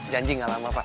janji gak lama pak